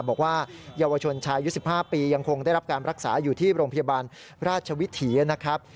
บอกว่าเยาวชนชายอายุ๑๕ปียังคงได้รับการรักษาอยู่ที่โรงพยาบาลราชวิถีนะครับ